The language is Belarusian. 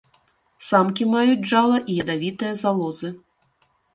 Самкі маюць джала і ядавітыя залозы.